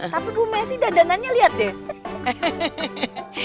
tapi bu messi dandanannya lihat deh